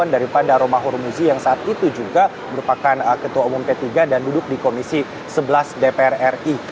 daripada romahur muzi yang saat itu juga merupakan ketua umum p tiga dan duduk di komisi sebelas dpr ri